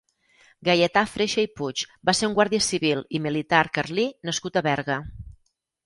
Gaietà Freixa i Puig va ser un guàrdia civil i militar carlí nascut a Berga.